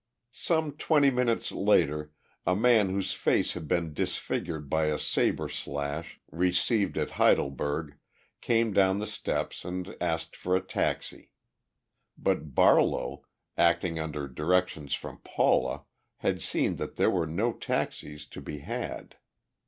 Some twenty minutes later a man whose face had been disfigured by a saber slash received at Heidelberg came down the steps and asked for a taxi. But Barlow, acting under directions from Paula, had seen that there were no taxis to be had.